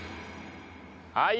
はい。